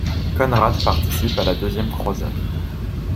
Conrad participe à la deuxième croisade.